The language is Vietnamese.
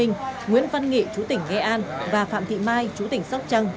nguyễn văn nghị chú tỉnh nghệ an và phạm thị mai chú tỉnh sóc trăng